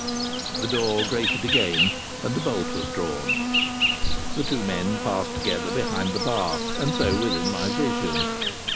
The door grated again and a bolt was drawn. The two men passed together behind the bar, and so within my vision.